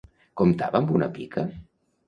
Comptava amb una pica?